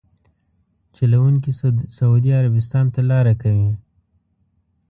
چلونکي سعودي عربستان ته لاره کوي.